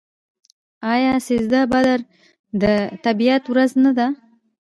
آیا سیزده بدر د طبیعت ورځ نه ده؟